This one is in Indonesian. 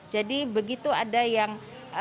jadi begitu ada yang